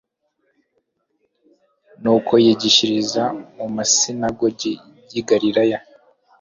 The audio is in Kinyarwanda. nuko yigishiriza mu masinagogi y i galilaya